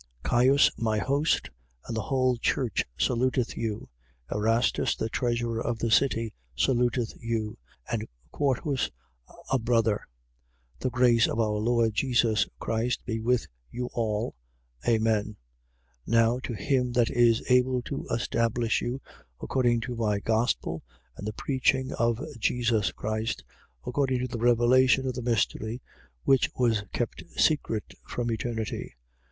16:23. Caius, my host, and the whole church saluteth you. Erastus, the treasurer of the city, saluteth you: and Quartus, a brother. 16:24. The grace of our Lord Jesus Christ be with you all. Amen. 16:25. Now to him that is able to establish you, according to my gospel and the preaching of Jesus Christ, according to the revelation of the mystery which was kept secret from eternity; 16:26.